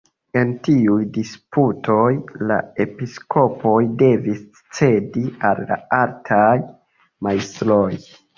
En tiuj disputoj la episkopoj devis cedi al la altaj majstroj.